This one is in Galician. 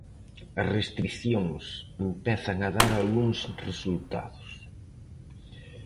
As restricións empezan a dar algúns resultados.